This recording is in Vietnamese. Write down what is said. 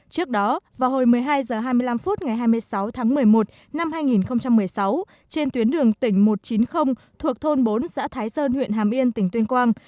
trước đó vào hồi một mươi hai h hai mươi năm phút ngày hai mươi sáu tháng một mươi một năm hai nghìn một mươi sáu trên tuyến đường tỉnh một trăm chín mươi thuộc thôn bốn xã thái sơn huyện hàm yên tỉnh tuyên quang